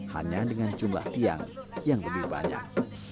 hanya dengan jumlah tiang yang lebih banyak